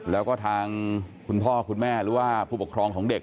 แล้วก็ทางคุณพ่อคุณแม่หรือว่าผู้ปกครองของเด็ก